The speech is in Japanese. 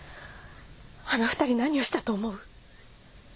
あの２人何をしたと思う？